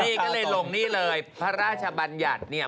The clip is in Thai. นี่ก็เลยลงนี่เลยพระราชบัญญัติเนี่ย